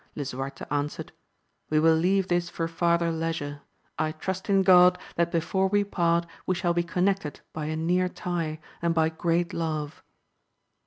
Lisuarte answered, We will leave this for farther leisure. I trust in God that before we part we shall be connected by a near tie, and by great love.